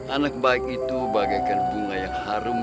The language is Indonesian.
anak baik itu bagaikan bunga yang harum